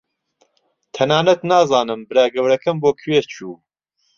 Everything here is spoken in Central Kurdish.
تەنانەت نازانم برا گەورەکەم بۆ کوێ چوو.